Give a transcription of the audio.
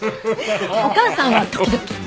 お母さんは時々。